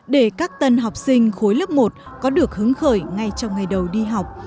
để các tân học sinh khối lớp một có được hứng khởi ngay trong ngày đầu đi học